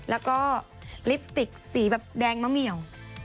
แล้วก็ลิปสติกสีแบบแดงมะเหมียว